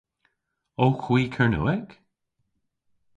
Owgh hwi Kernewek?